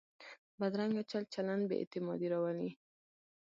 بدرنګه چل چلند بې اعتمادي راولي